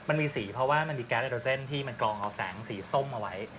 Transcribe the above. มันมีสีเพราะว่ามันมีแก๊สเอโดเซนที่มันกรองเอาแสงสีส้มเอาไว้